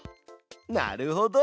なるほど！